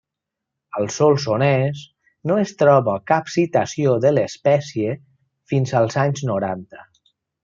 Al Solsonès no es troba cap citació de l'espècie fins als anys noranta.